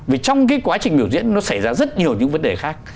vì trong cái quá trình biểu diễn nó xảy ra rất nhiều những vấn đề khác